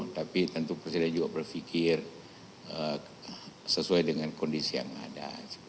tapi tentu presiden juga berpikir sesuai dengan kondisi yang ada